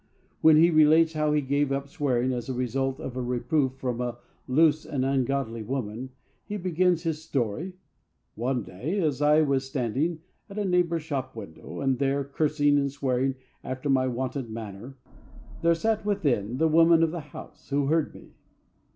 When he relates how he gave up swearing as a result of a reproof from a "loose and ungodly" woman, he begins the story: "One day, as I was standing at a neighbour's shop window, and there cursing and swearing after my wonted manner, there sat within the woman of the house, who heard me."